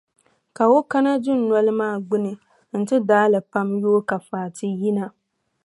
Ka o kana dunoli maa gbuni nti daai li pam n-yooi ka Fati yina.